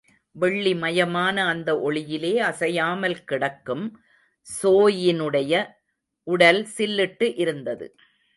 வெள்ளி மயமான அந்த ஒளியிலே அசையாமல் கிடக்கும் ஸோயினுடைய உடல் சில்லிட்டு இருந்தது.